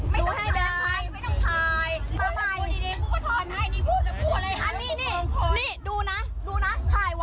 เป็นเมค่ะพี่ดูเลยเพราะว่าหนูยืนยันแล้ว